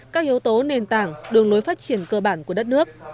các yếu tố nền tảng đường lối phát triển cơ bản của đất nước